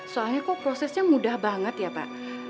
soalnya kok prosesnya mudah banget ya pak